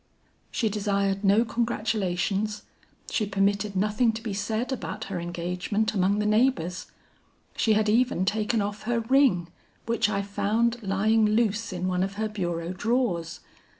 "She desired no congratulations; she permitted nothing to be said about her engagement, among the neighbors. She had even taken off her ring which I found lying loose in one of her bureau drawers.